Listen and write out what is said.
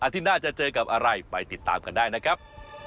ที่หน้าจะเจอกับอะไรไปติดตามกันได้นะครับ